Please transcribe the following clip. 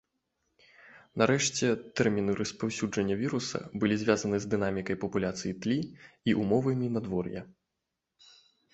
Нарэшце, тэрміны распаўсюджвання віруса былі звязаны з дынамікай папуляцыі тлі і ўмовамі надвор'я.